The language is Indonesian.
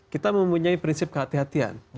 kita mempunyai prinsip kehatian